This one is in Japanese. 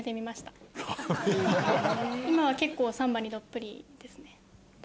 今は結構サンバにどっぷりですね。